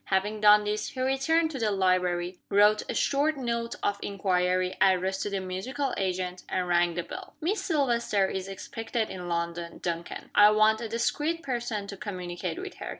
Having done this, he returned to the library wrote a short note of inquiry, addressed to the musical agent and rang the bell. "Miss Silvester is expected in London, Duncan. I want a discreet person to communicate with her.